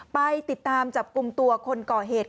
ไปติดตามจับกลุ่มตัวคนก่อเหตุ